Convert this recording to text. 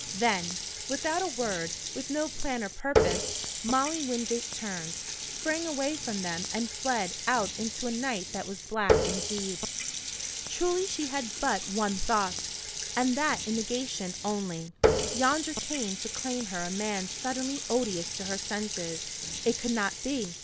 Then, without a word, with no plan or purpose, Molly Wingate turned, sprang away from them and fled out into a night that was black indeed. Truly she had but one thought, and that in negation only. Yonder came to claim her a man suddenly odious to her senses. It could not be.